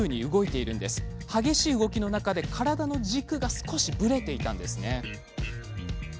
激しい動きの中で体の軸がブレていたんですね。